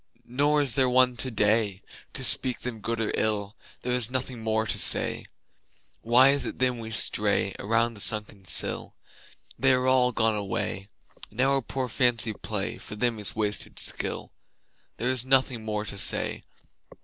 Nor is there one today To speak them good or ill: There is nothing more to say. Why is it then we stray Around the sunken sill? They are all gone away. And our poor fancy play For them is wasted skill: There is nothing more to say.